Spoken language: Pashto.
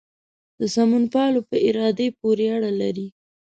د سمونپالو په ارادې پورې اړه لري.